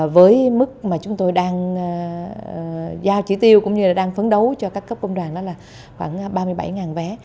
với mức mà chúng tôi đang giao chỉ tiêu cũng như là đang phấn đấu cho các cấp công đoàn đó là khoảng ba mươi bảy vé